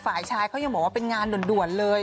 ฝ่ายชายเขายังบอกว่าเป็นงานด่วนเลย